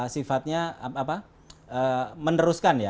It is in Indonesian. sifatnya meneruskan ya